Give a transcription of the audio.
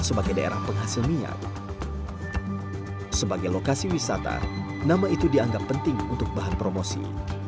sebagai lokasi wisata nama itu dianggap penting untuk bahan promosi